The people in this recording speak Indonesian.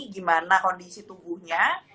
gimana kondisi tubuhnya